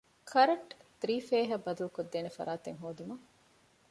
ކަރަންޓް ތުރީފޭހަށް ބަދަލުކޮށްދޭނެ ފަރާތެއް ހޯދުމަށް